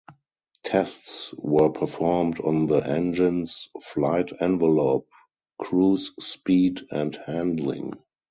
Tests were performed on the engines' flight envelope, cruise speed, and handling.